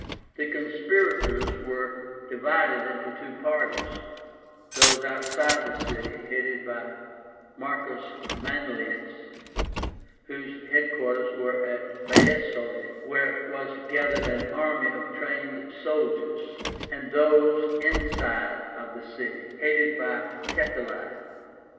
The conspirators were divided into two parties; those outside of the city, headed by Marcus Manlius, whose head quarters were at Faesulae (Fiesole), where was gathered an army of trained soldiers; and those inside of the city, headed by Catiline.